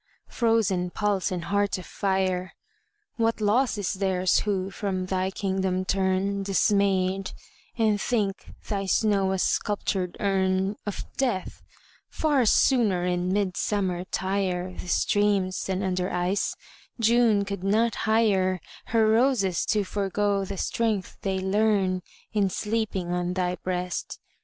frozen pulse and heart of fire, What loss is theirs who from thy kingdom turn Dismayed, and think thy snow a sculptured urn Of death! Far sooner in midsummer tire The streams than under ice. June could not hire Her roses to forego the strength they learn In sleeping on thy breast.